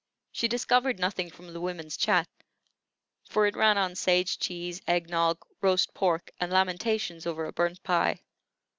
She discovered nothing from the women's chat, for it ran on sage cheese, egg nog, roast pork, and lamentations over a burnt pie.